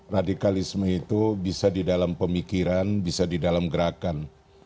radikalisme itu bisa di dalam pemikiran bisa di dalam gerakan